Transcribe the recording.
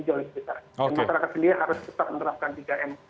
masyarakat sendiri harus cepat menerapkan tiga m